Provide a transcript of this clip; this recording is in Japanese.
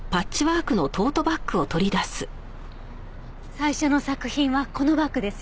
最初の作品はこのバッグですよね？